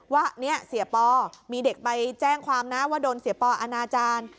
ว่าเนี่ยเสียปอมีเด็กไปแจ้งความนะว่าโดนเสียปอนาจารย์